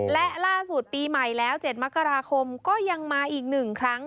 และล่าสุดปีใหม่แล้ว๗มกราคมก็ยังมาอีก๑ครั้ง